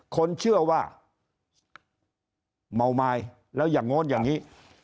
คนเชื่อว่าเมาไม้แล้วอย่างโน้นอย่างนี้